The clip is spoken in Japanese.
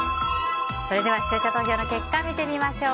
それでは視聴者投票の結果見てみましょう。